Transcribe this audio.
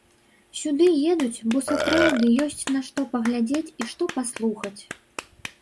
Сюды едуць, бо сапраўды ёсць на што паглядзець і што паслухаць.